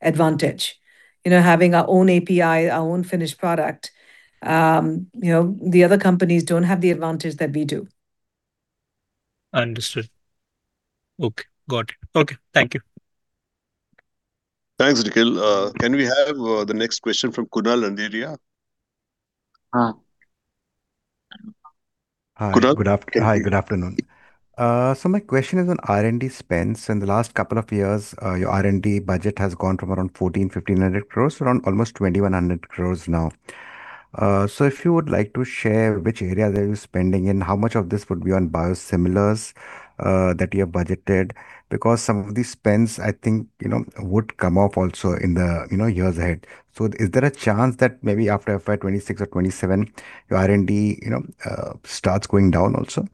advantage. You know, having our own API, our own finished product. You know, the other companies don't have the advantage that we do. Understood. Okay, got it. Okay, thank you. Thanks, Nikhil. Can we have the next question from Kunal Dhamesha? Uh. Kunal. Hi, good afternoon. So my question is on R&D spends. In the last couple of years, your R&D budget has gone from around 1,400 crores-1,500 crores to around almost 2,100 crores now. So if you would like to share which area that you're spending in, how much of this would be on biosimilars that you have budgeted? Because some of these spends, I think, you know, would come off also in the, you know, years ahead. So is there a chance that maybe after FY 2026 or 2027, your R&D, you know, starts going down also?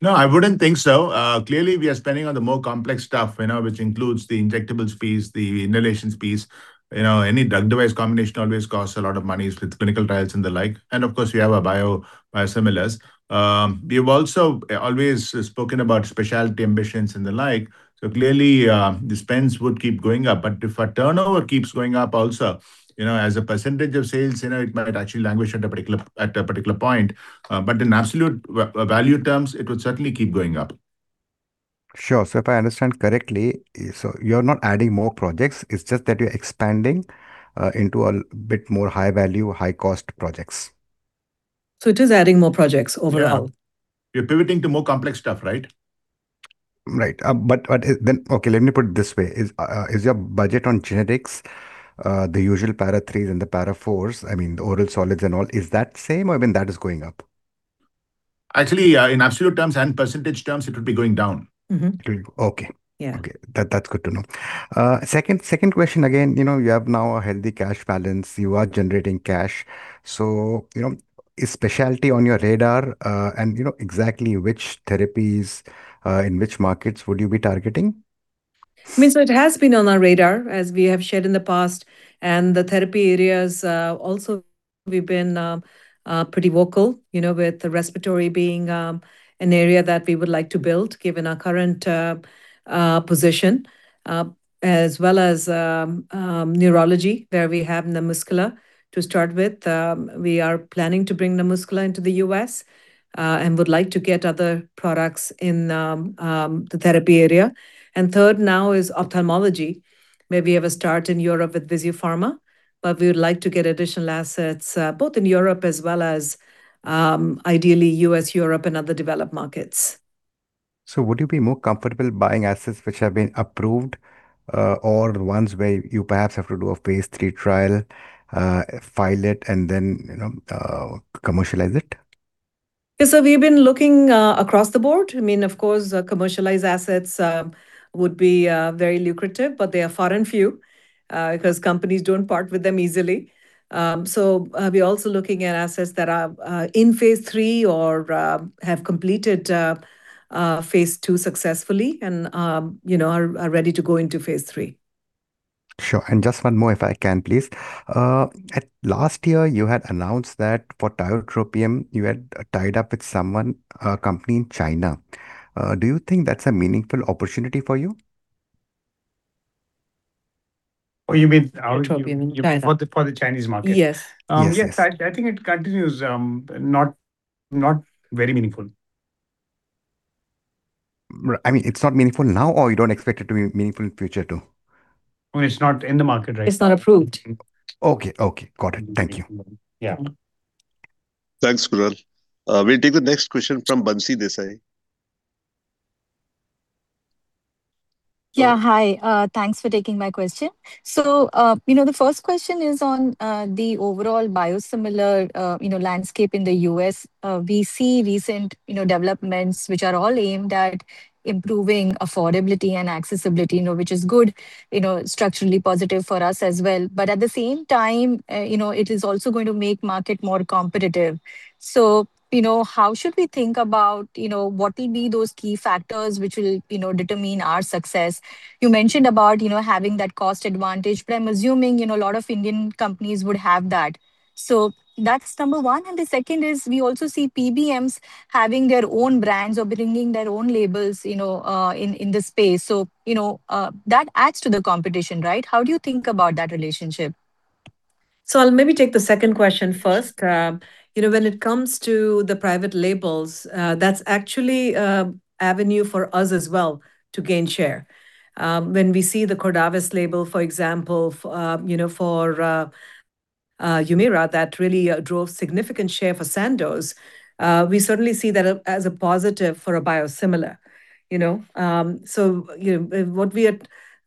No, I wouldn't think so. Clearly, we are spending on the more complex stuff, you know, which includes the injectables piece, the inhalation piece. You know, any drug device combination always costs a lot of money with clinical trials and the like. And of course, we have our biosimilars. We've also always spoken about specialty ambitions and the like, so clearly, the spends would keep going up. But if our turnover keeps going up also, you know, as a percentage of sales, you know, it might actually languish at a particular point. But in absolute value terms, it would certainly keep going up. Sure. If I understand correctly, you're not adding more projects, it's just that you're expanding into a bit more high-value, high-cost projects. So it is adding more projects overall. Yeah. We're pivoting to more complex stuff, right? Right. But then. Okay, let me put it this way: Is your budget on generics, the usual para threes and the para fours, I mean, the oral solids and all, is that the same, or even that is going up? Actually, in absolute terms and percentage terms, it would be going down. Mm-hmm. It will- Okay. Yeah. Okay, that, that's good to know. Second question again, you know, you have now a healthy cash balance, you are generating cash. So, you know, is specialty on your radar? And you know, exactly which therapies, in which markets would you be targeting? I mean, so it has been on our radar, as we have shared in the past, and the therapy areas, also we've been, pretty vocal, you know, with the respiratory being, an area that we would like to build, given our current, position. As well as, neurology, where we have NaMuscla to start with. We are planning to bring NaMuscla into the U.S., and would like to get other products in, the therapy area. And third now is ophthalmology, where we have a start in Europe with VISUfarma, but we would like to get additional assets, both in Europe as well as, ideally U.S., Europe, and other developed markets. So would you be more comfortable buying assets which have been approved, or the ones where you perhaps have to do a phase III trial, file it, and then, you know, commercialize it? Yeah, so we've been looking across the board. I mean, of course, commercialized assets would be very lucrative, but they are far and few, because companies don't part with them easily. So, we're also looking at assets that are in phase III or have completed phase II successfully and, you know, are ready to go into phase III. Sure. Just one more if I can, please. At last year you had announced that for TIOTROPIUM you had tied up with someone, a company in China. Do you think that's a meaningful opportunity for you? Oh, you mean- TIOTROPIUM in China. For the Chinese market? Yes. Yes. Yes, I think it continues, not very meaningful. Right. I mean, it's not meaningful now, or you don't expect it to be meaningful in future, too? I mean, it's not in the market right now. It's not approved. Okay, okay. Got it. Thank you. Yeah. Thanks, Kunal. We'll take the next question from Bansi Desai. Yeah, hi. Thanks for taking my question. So, the first question is on the overall biosimilar, you know, landscape in the U.S. We see recent, you know, developments which are all aimed at improving affordability and accessibility, you know, which is good, you know, structurally positive for us as well. But at the same time, it is also going to make market more competitive. So, how should we think about, you know, what will be those key factors which will, you know, determine our success? You mentioned about, you know, having that cost advantage, but I'm assuming, you know, a lot of Indian companies would have that. So that's number one. And the second is, we also see PBMs having their own brands or bringing their own labels, you know, in, in the space. You know, that adds to the competition, right? How do you think about that relationship? So I'll maybe take the second question first. You know, when it comes to the private labels, that's actually a avenue for us as well to gain share. When we see the Cordavis label, for example, you know, for Humira, that really drove significant share for Sandoz, we certainly see that as a positive for a biosimilar, you know? So, you know, what we are,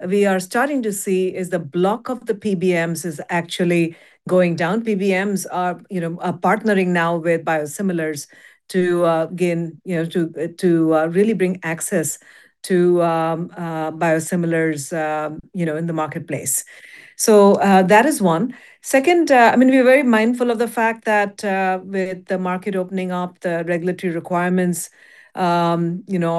we are starting to see is the block of the PBMs is actually going down. PBMs are, you know, are partnering now with biosimilars to gain, you know, to really bring access to biosimilars, you know, in the marketplace. So, that is one. Second, I mean, we're very mindful of the fact that, with the market opening up, the regulatory requirements, you know,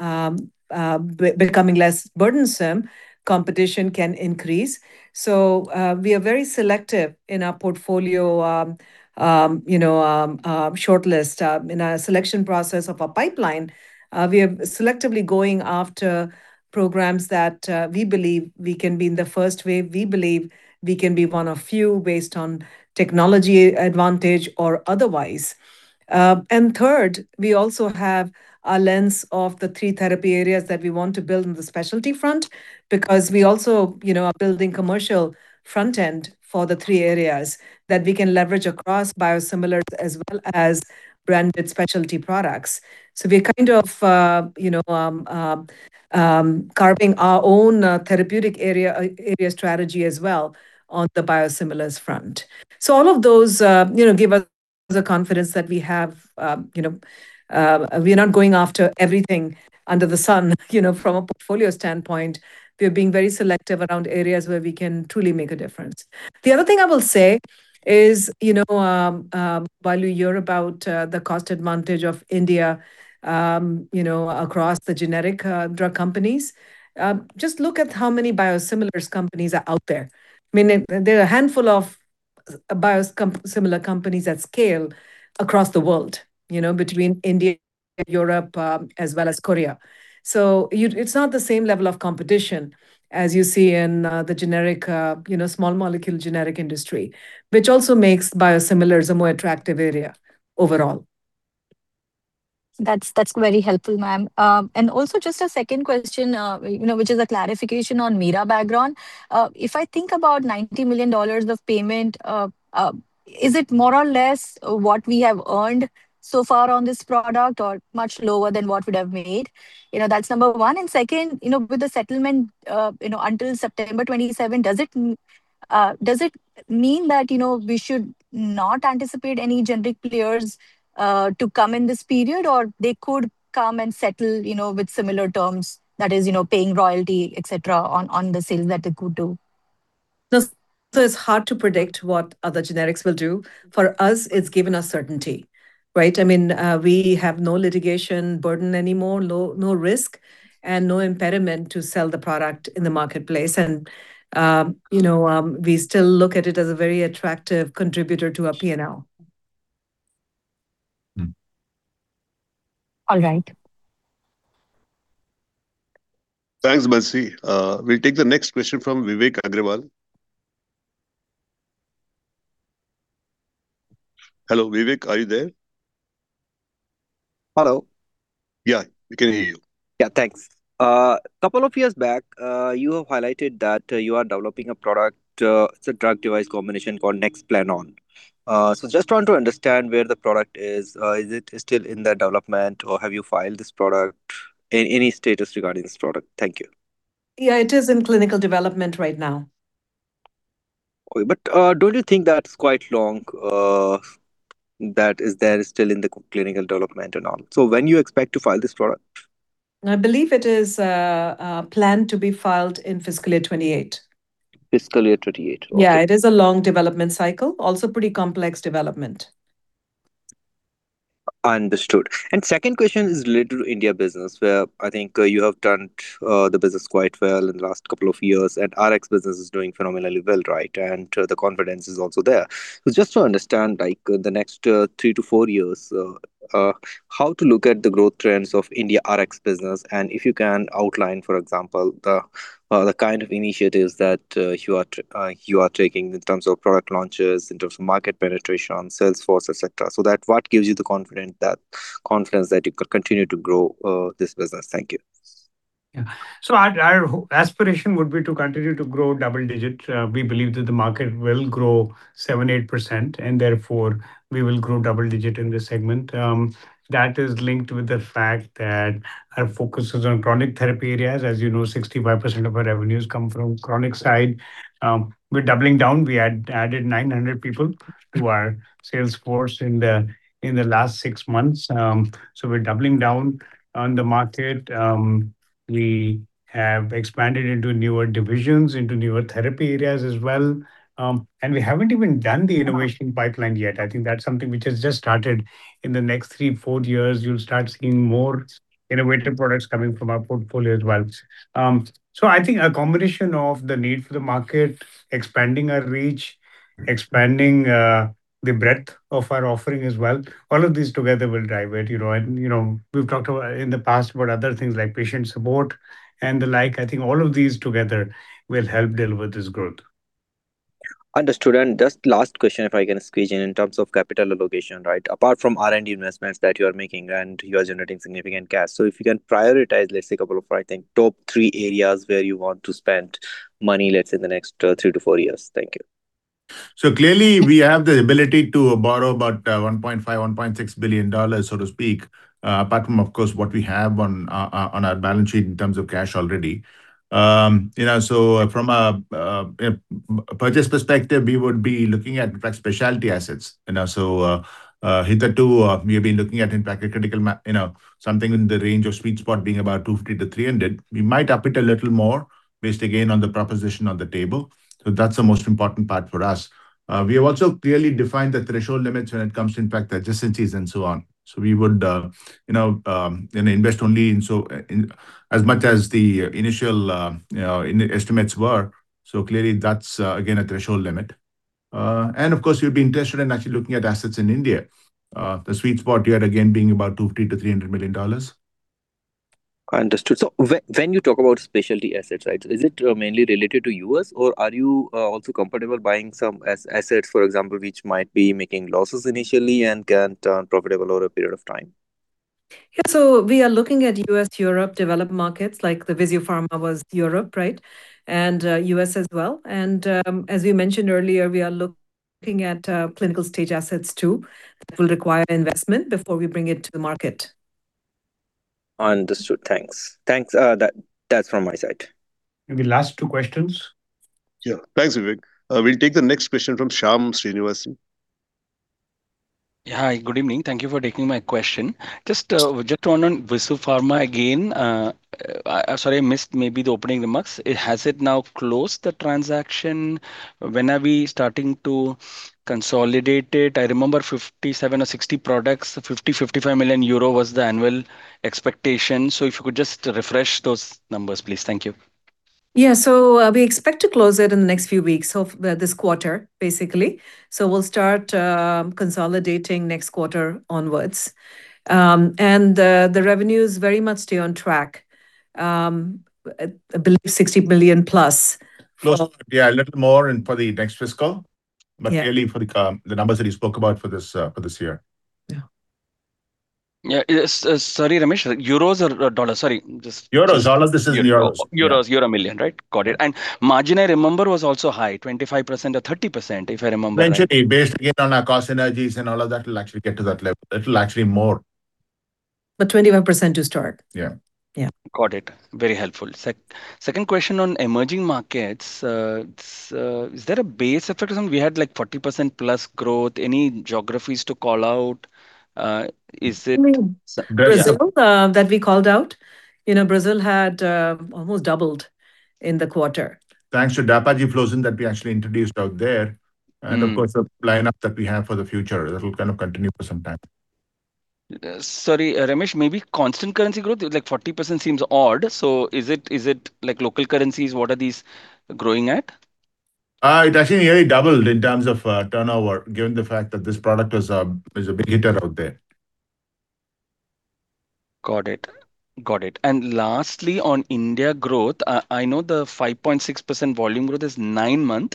are becoming less burdensome, competition can increase. So, we are very selective in our portfolio, you know, shortlist. In our selection process of our pipeline, we are selectively going after programs that, we believe we can be in the first wave, we believe we can be one of few based on technology advantage or otherwise. And third, we also have a lens of the three therapy areas that we want to build in the specialty front, because we also, you know, are building commercial front end for the three areas that we can leverage across biosimilars as well as branded specialty products. So we're kind of, you know, carving our own therapeutic area strategy as well on the biosimilars front. So all of those, you know, give us the confidence that we have. You know, we are not going after everything under the sun, you know, from a portfolio standpoint. We're being very selective around areas where we can truly make a difference. The other thing I will say is, you know, while you hear about the cost advantage of India, you know, across the generic drug companies, just look at how many biosimilar companies are out there. I mean, there are a handful of biosimilar companies at scale across the world, you know, between India, Europe, as well as Korea. It's not the same level of competition as you see in the generic, you know, small molecule generic industry, which also makes biosimilars a more attractive area overall. That's very helpful, ma'am. And also just a second question, you know, which is a clarification on Mirabegron. If I think about $90 million of payment, is it more or less what we have earned so far on this product, or much lower than what we'd have made? You know, that's number one. And second, you know, with the settlement, you know, until September 2027, does it mean that, you know, we should not anticipate any generic players to come in this period, or they could come and settle, you know, with similar terms? That is, you know, paying royalty, et cetera, on, on the sales that they could do. So, it's hard to predict what other generics will do. For us, it's given us certainty, right? I mean, we have no litigation burden anymore, no risk, and no impediment to sell the product in the marketplace. You know, we still look at it as a very attractive contributor to our P&L. Mm-hmm. All right. Thanks, Bansi. We'll take the next question from Vivek Agrawal. Hello, Vivek, are you there? Hello. Yeah, we can hear you. Yeah, thanks. A couple of years back, you have highlighted that you are developing a product, it's a drug device combination called Nexplanon. So just want to understand where the product is. Is it still in the development, or have you filed this product? Any status regarding this product? Thank you. Yeah, it is in clinical development right now. Okay, but, don't you think that's quite long, that is there still in the clinical development and all? So when you expect to file this product? I believe it is planned to be filed in fiscal year 2028. Fiscal year 2028, okay. Yeah, it is a long development cycle, also pretty complex development. Understood. Second question is related to India business, where I think you have done the business quite well in the last couple of years, and Rx business is doing phenomenally well, right? The confidence is also there. So just to understand, like, the next three to four years, how to look at the growth trends of India Rx business, and if you can outline, for example, the kind of initiatives that you are taking in terms of product launches, in terms of market penetration on sales force, et cetera. So that what gives you the confidence that you continue to grow this business? Thank you. Yeah. So our aspiration would be to continue to grow double digit. We believe that the market will grow 7%-8%, and therefore we will grow double digit in this segment. That is linked with the fact that our focus is on chronic therapy areas. As you know, 65% of our revenues come from chronic side. We're doubling down. We added 900 people to our sales force in the last six months. So we're doubling down on the market. We have expanded into newer divisions, into newer therapy areas as well. And we haven't even done the innovation pipeline yet. I think that's something which has just started. In the next thre to four years, you'll start seeing more innovative products coming from our portfolio as well. So I think a combination of the need for the market, expanding our reach, expanding the breadth of our offering as well, all of these together will drive it, you know. And, you know, we've talked about, in the past about other things like patient support and the like. I think all of these together will help deliver this growth. Understood. And just last question, if I can squeeze in, in terms of capital allocation, right? Apart from R&D investments that you are making, and you are generating significant cash. So if you can prioritize, let's say, couple of, I think, top three areas where you want to spend money, let's say, in the next, three to four years. Thank you. So clearly, we have the ability to borrow about $1.5 billion-$1.6 billion, so to speak, apart from, of course, what we have on our balance sheet in terms of cash already. You know, so from a purchase perspective, we would be looking at, in fact, specialty assets. You know, so, hitherto, we have been looking at, in fact, a critical, you know, something in the range of sweet spot being about $250 million-$300 million. We might up it a little more, based again on the proposition on the table, so that's the most important part for us. We have also clearly defined the threshold limits when it comes to, in fact, adjacencies and so on. So we would, you know, invest only in so, in as much as the initial, you know, estimates were, so clearly that's again a threshold limit. And of course, we'd be interested in actually looking at assets in India. The sweet spot here again being about $250 million-$300 million. Understood. So when you talk about specialty assets, right, is it mainly related to U.S., or are you also comfortable buying some assets, for example, which might be making losses initially and can turn profitable over a period of time? Yeah. So we are looking at US, Europe, developed markets, like the VISUfarma was Europe, right? And US as well. And as we mentioned earlier, we are looking at clinical stage assets, too. It will require investment before we bring it to the market. Understood. Thanks. Thanks, that's from my side. Maybe last two questions. Yeah. Thanks, Vivek. We'll take the next question from Shyam Srinivasan. Yeah, hi, good evening. Thank you for taking my question. Just, just to on, on VISUfarma again, I, I'm sorry, I missed maybe the opening remarks. Has it now closed the transaction? When are we starting to consolidate it? I remember 57 or 60 products, 55 million euro was the annual expectation. So if you could just refresh those numbers, please. Thank you. Yeah. So, we expect to close it in the next few weeks of this quarter, basically. So we'll start consolidating next quarter onwards. And, the revenue is very much still on track. I believe 60 billion+. Close, yeah, a little more and for the next fiscal. Yeah But clearly for the numbers that you spoke about for this year. Yeah. Yeah. Sorry, Ramesh, euros or dollars? Sorry, just. Euros. All of this is in euros. Euros, euro million, right? Got it. And margin, I remember, was also high, 25% or 30%, if I remember right. Eventually, based again on our cost synergies and all of that, we'll actually get to that level. It'll actually more. But 21% to start. Yeah. Yeah. Got it. Very helpful. Second question on emerging markets, is there a base effect on... We had, like, 40%+ growth. Any geographies to call out? Is it? Mm. Very- Brazil, that we called out. You know, Brazil had almost doubled in the quarter. Thanks to Dapagliflozin that we actually introduced out there. Mm. Of course, the lineup that we have for the future, that will kind of continue for some time. Sorry, Ramesh, maybe constant currency growth, like, 40% seems odd. So is it, is it, like, local currencies? What are these growing at? It actually nearly doubled in terms of turnover, given the fact that this product was a big hitter out there. Got it. Got it. And lastly, on India growth, I know the 5.6% volume growth is nine-month.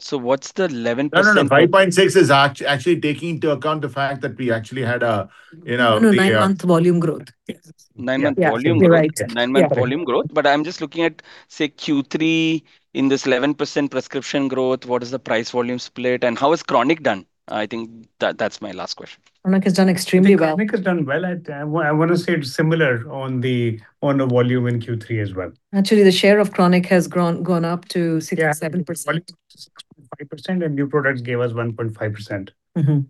So what's the 11%? No, no, no, 5.6%.is actually taking into account the fact that we actually had a, you know, No, nine-month volume growth. Yes. Nine-month volume growth? You're right, yes. Yeah. Nine-month volume growth. But I'm just looking at, say, Q3 in this 11% prescription growth, what is the price volume split, and how is chronic done? I think that, that's my last question. Chronic has done extremely well. Chronic has done well, and I want to say it's similar on the volume in Q3 as well. Actually, the share of chronic has grown, gone up to 67%. Yeah, volume 6.5%, and new products gave us 1.5%. Mm-hmm.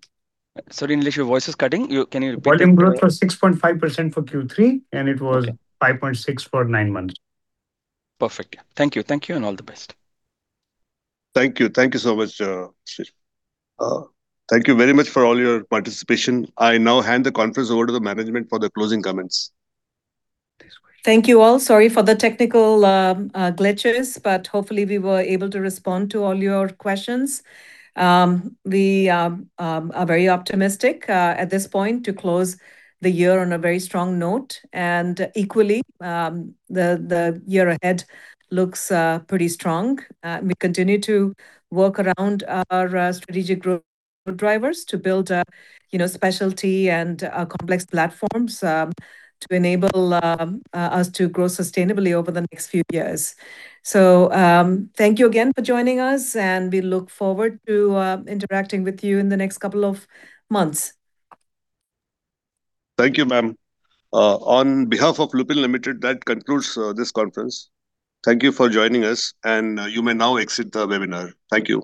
Sorry, Nilesh, your voice is cutting. You, can you repeat it? Volume growth was 6.5% for Q3, and it was 5.6% for nine months. Perfect. Thank you. Thank you, and all the best. Thank you. Thank you so much, Shyam. Thank you very much for all your participation. I now hand the conference over to the management for the closing comments. Thank you all. Sorry for the technical glitches, but hopefully we were able to respond to all your questions. We are very optimistic at this point to close the year on a very strong note. And equally, the year ahead looks pretty strong. We continue to work around our strategic growth drivers to build, you know, specialty and complex platforms to enable us to grow sustainably over the next few years. So, thank you again for joining us, and we look forward to interacting with you in the next couple of months. Thank you, ma'am. On behalf of Lupin Limited, that concludes this conference. Thank you for joining us, and you may now exit the webinar. Thank you.